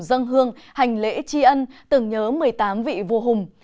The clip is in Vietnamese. dân hương hành lễ tri ân tưởng nhớ một mươi tám vị vua hùng